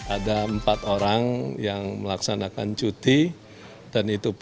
ada empat orang yang melaksanakan cuti